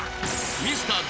ミスター